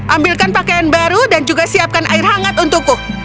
ambilkan pakaian baru dan juga siapkan air hangat untukku